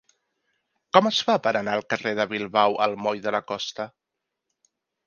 Com es fa per anar del carrer de Bilbao al moll de la Costa?